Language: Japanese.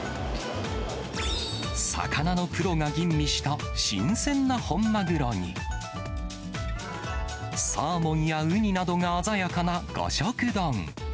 魚のプロが吟味した新鮮な本マグロに、サーモンやウニなどが鮮やかな五色丼。